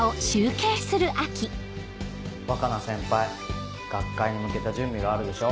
若菜先輩学会に向けた準備があるでしょ。